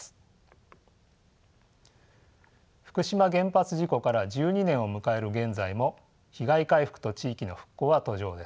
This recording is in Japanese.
福島原発事故から１２年を迎える現在も被害回復と地域の復興は途上です。